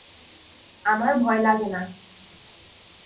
আমার ভয় লাগে না।